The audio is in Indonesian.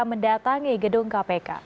mendatangi gedung kpk